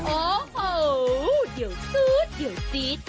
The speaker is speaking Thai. โอ้โหเดี๋ยวซืดเดี๋ยวจี๊ด